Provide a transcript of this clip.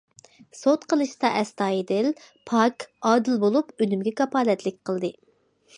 سوت قىلىشتا ئەستايىدىل، پاك، ئادىل بولۇپ، ئۈنۈمگە كاپالەتلىك قىلدى.